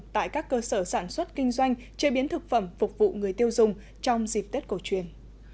tại các cơ sở sản xuất kinh doanh chế biến thực phẩm phục vụ người tiêu dùng trong dịp tết cổ truyền